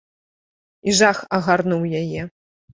І жах агарнуў яе.